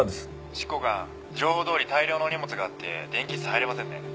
「執行官情報どおり大量の荷物があって電気室入れませんね」